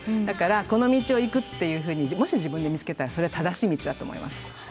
だからこの道を行くっていうふうにもし自分で見つけたらそれは正しい道だと思います。